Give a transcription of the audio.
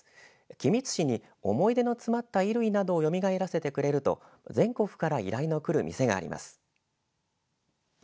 君津市に思い出の詰まった衣類などをよみがえらせてくれると全国から依頼のくる店があります。